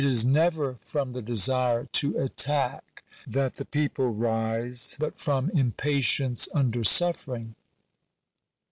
245 is never from the desire to attack that the people rise, hut from impatience under suffering."